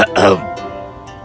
ayahku tidak menyukaiku karena